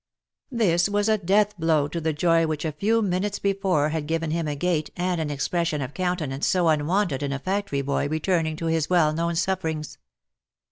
This was a death blow to the joy which a few minutes before had given him a gait and an expression of countenance so unwonted in a factory boy returning to his well known sufferings.